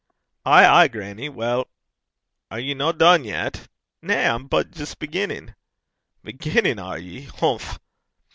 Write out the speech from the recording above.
'Ay, ay, grannie. Weel ' 'Are ye no dune yet?' 'Na. I'm but jist beginnin'.' 'Beginnin', are ye? Humph!'